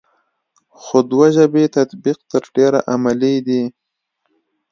خو دوه ژبې تطبیق تر ډېره عملي دی ا